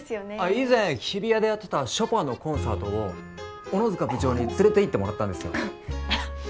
以前日比谷でやってたショパンのコンサートを小野塚部長に連れていってもらったんですよ。